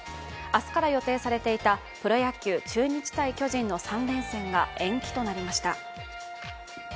明日から予定されていたプロ野球中日×巨人の３連戦が延期となりました。